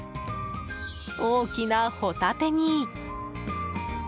大きなホタテに。